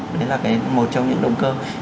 đấy là một trong những động cơ